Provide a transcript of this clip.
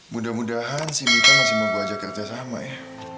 mudah mudahan si mita masih mau bawa kerja sama ya